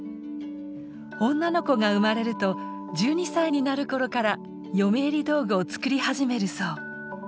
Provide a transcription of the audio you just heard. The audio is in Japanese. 女の子が生まれると１２歳になるころから嫁入り道具を作り始めるそう。